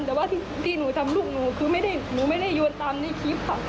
แต่ว่าที่หนูทำลูกหนูคือหนูไม่ได้โยนตามในคลิปค่ะ